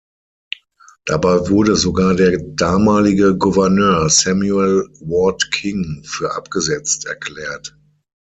Dabei wurde sogar der damalige Gouverneur Samuel Ward King für abgesetzt erklärt.